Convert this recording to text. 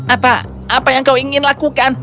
apa apa yang kau ingin lakukan